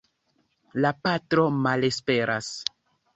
La patro malesperas.